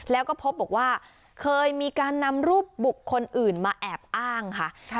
แล้วก็พบบอกว่าเคยมีการนำรูปบุคคลอื่นมาแอบอ้างค่ะ